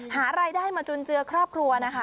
หารายได้มาจุนเจือครอบครัวนะคะ